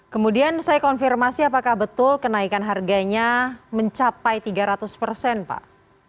kemudian saya konfirmasi apakah betul kenaikan harganya mencapai tiga ratus persen pak